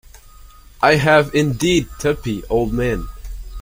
I have, indeed, Tuppy, old man.